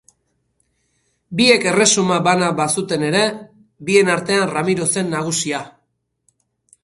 Biek erresuma bana bazuten ere, bien artean Ramiro zen nagusia.